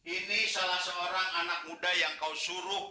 ini salah seorang anak muda yang kau suruh